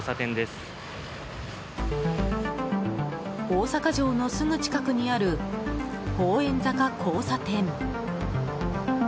大阪城のすぐ近くにある法円坂交差点。